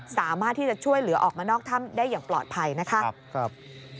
สามารถที่จะช่วยเหลือออกมานอกถ้ำได้อย่างปลอดภัยนะคะ